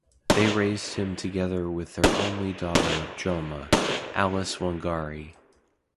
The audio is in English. They raised him together with their only daughter Joma (Alyce Wangari).